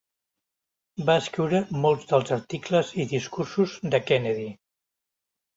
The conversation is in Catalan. Va escriure molts dels articles i discursos de Kennedy.